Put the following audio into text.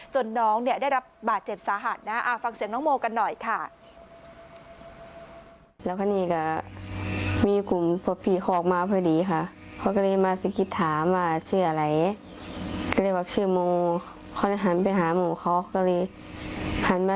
จนน้องเนี่ยได้รับบาดเจ็บสาหัสนะ